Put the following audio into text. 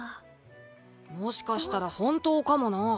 もしかしたら本当かもな。